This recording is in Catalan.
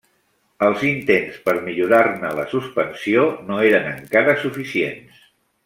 Els intents per millorar-ne la suspensió no eren encara suficients.